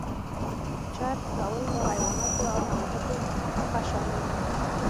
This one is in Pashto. چرخ کول له حیواناتو او نباتاتو څخه شامل و.